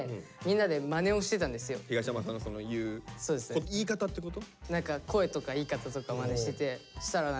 東山さんのその言う言い方ってこと？